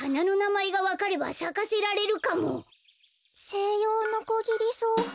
セイヨウノコギリソウ。